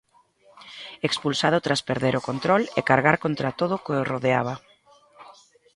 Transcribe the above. Expulsado tras perder o control e cargar contra todo o que o rodeaba.